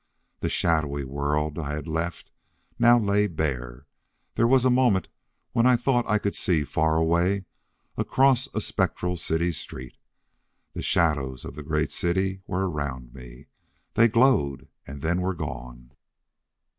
The shadowy world I had left now lay bare. There was a moment when I thought I could see far away across a spectral city street. The shadows of the great city were around me. They glowed, and then were gone.